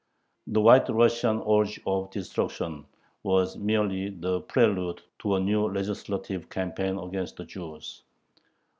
The White Russian orgy of destruction was merely the prelude to a new legislative campaign against the Jews.